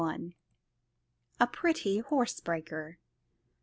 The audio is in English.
A Pretty Horsebreaker.